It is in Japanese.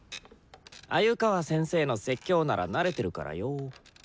鮎川先生の説教なら慣れてるからよ。